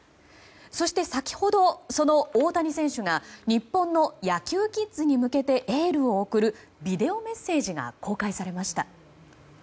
そして先ほど、その大谷選手が日本の野球キッズに向けてエールを送るビデオメッセージが公開されました。